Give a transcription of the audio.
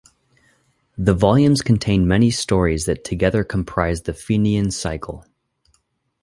The volumes contain many stories that together comprise the Fenian Cycle.